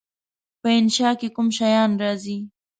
په انشأ کې کوم شیان راځي؟